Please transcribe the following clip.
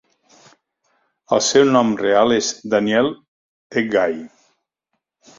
El seu nom real és Danielle Ebguy.